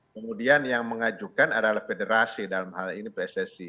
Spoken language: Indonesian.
kemudian yang mengajukan adalah federasi dalam hal ini pssi